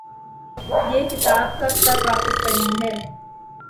یہ کتاب کب تک واپس کرنی ہے؟